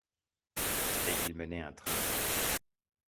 Et ils menaient un train !